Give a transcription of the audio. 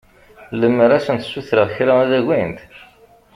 Lemmer ad sent-ssutreɣ kra ad agint?